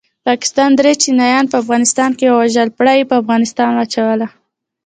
پاکستان دري چینایان په افغانستان کې ووژل پړه یې په افغانستان واچول